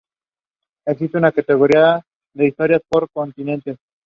Existe una categoría de historia por continentes